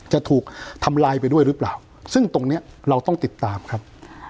จะถูกทำลายไปด้วยหรือเปล่าซึ่งตรงเนี้ยเราต้องติดตามครับ